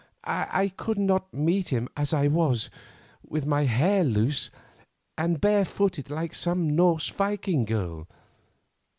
I could not meet him as I was, with my hair loose, and bare footed like some Norse Viking girl.